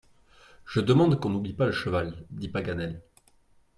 Je demande qu’on n’oublie pas le cheval! dit Paganel.